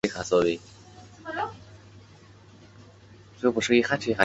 三枝九叶草是小檗科淫羊藿属的植物。